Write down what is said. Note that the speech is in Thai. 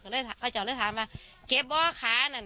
และก็ฝากว่า